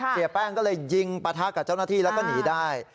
เสียแป้งก็เลยยิงปะทะกับเจ้าหน้าที่แล้วก็หนีได้